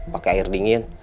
pakai air dingin